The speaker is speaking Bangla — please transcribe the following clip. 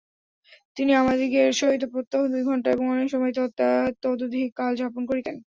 তিনি আমাদিগের সহিত প্রত্যহ দুই ঘণ্টা এবং অনেক সময়েই তদধিক কাল যাপন করিতেন।